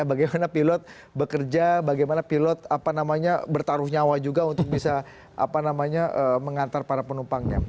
bagaimana pilot bekerja bagaimana pilot apa namanya bertaruh nyawa juga untuk bisa mengantar para penumpangnya